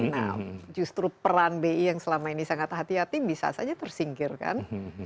nah justru peran bi yang selama ini sangat hati hati bisa saja tersingkirkan